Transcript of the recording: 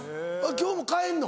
今日も帰んの？